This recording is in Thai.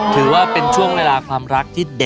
ถือว่าเป็นช่วงเวลาความรักที่เด็ด